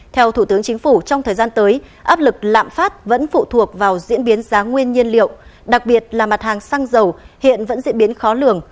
theo thủ tướng chính phủ trong thời gian tới áp lực lạm phát vẫn phụ thuộc vào diễn biến giá nguyên nhiên liệu đặc biệt là mặt hàng xăng dầu hiện vẫn diễn biến khó lường